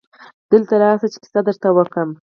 دلته راسه چي کیسه درته وکم.